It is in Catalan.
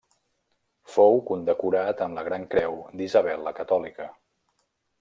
Fou condecorat amb la Gran Creu d'Isabel la Catòlica.